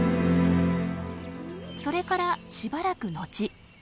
それからしばらく後。